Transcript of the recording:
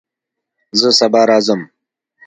زه سبا راځم